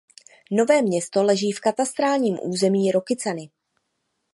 Nové Město leží v katastrálním území Rokycany.